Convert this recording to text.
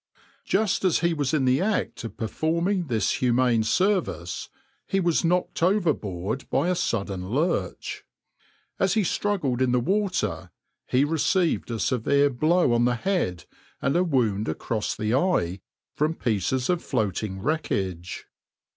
Just as he was in the act of performing this humane service he was knocked overboard by a sudden lurch. As he struggled in the water, he received a severe blow on the head and a wound across the eye from pieces of floating wreckage.